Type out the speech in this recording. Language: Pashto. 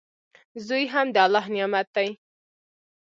زوی هم د الله نعمت دئ.